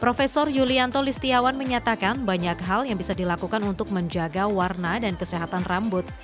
profesor yulianto listiawan menyatakan banyak hal yang bisa dilakukan untuk menjaga warna dan kesehatan rambut